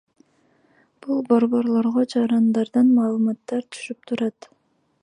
Бул борборлорго жарандардан маалыматтар түшүп турат.